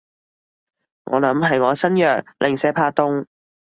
我諗係我身弱，零舍怕凍